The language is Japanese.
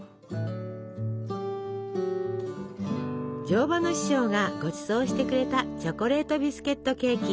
乗馬の師匠がごちそうしてくれたチョコレートビスケットケーキ。